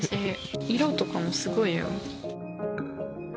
色とかもすごいよ。